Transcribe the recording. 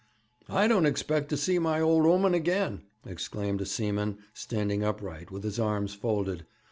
'I don't expect to see my old 'oman again,' exclaimed a seaman, standing upright with his arms folded.